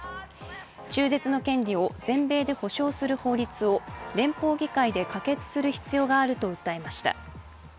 中絶の権利を全米で保障する法律を連邦議会で可決する必要があると訴えました。